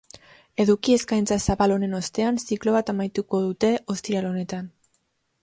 Eduki eskaintza zabal honen ostean, ziklo bat amaituko dute ostiral honetan.